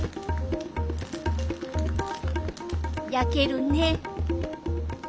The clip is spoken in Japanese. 焼けるね。